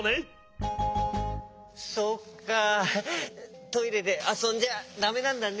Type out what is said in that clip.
そっかトイレであそんじゃだめなんだね。